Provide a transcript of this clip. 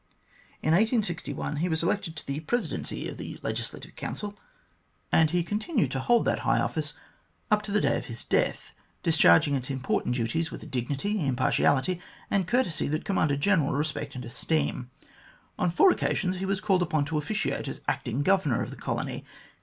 In 1861 he was elected to the Presidency of the Legislative Council, and THE GROWTH AND DEVELOPMENT OF GLADSTONE 75 he continued to hold that high office up to the day of his death, discharging its important duties with a dignity, im partiality, and courtesy that commanded general respect and esteem. On four occasions he was called upon to officiate as Acting Governor of the colony.